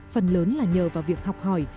phần lớn là nhờ vào việc học hỏi